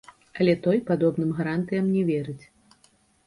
Але той падобным гарантыям не верыць.